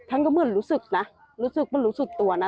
ท่านก็เหมือนรู้สึกนะรู้สึกเหมือนรู้สึกตัวนะ